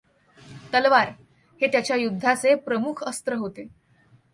तलवार हे त्याच्या युध्दाचे प्रमुख अस्त्र होते.